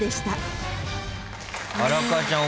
荒川ちゃん